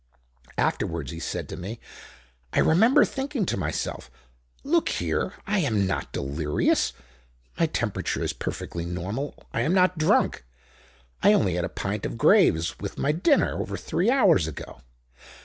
Afterwards he said to me: "I remember thinking to myself: 'Look here, I am not delirious; my temperature is perfectly normal. I am not drunk; I only had a pint of Graves with my dinner, over three hours ago.